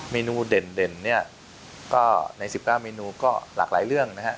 เมนูเด่นเนี่ยก็ใน๑๙เมนูก็หลากหลายเรื่องนะฮะ